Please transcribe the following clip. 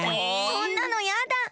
そんなのやだ。